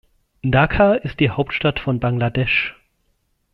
Dhaka ist die Hauptstadt von Bangladesch.